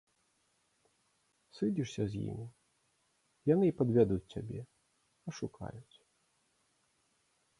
Сыдзешся з імі, яны і падвядуць цябе, ашукаюць.